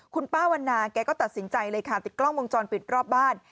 คุณป้าวันนาแกก็ตัดสินใจเลยค่ะติดกล้องวงจรปิดรอบบ้าน